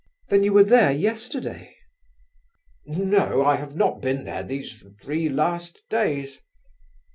"Then you were there yesterday?" "N no: I have not been these three last days."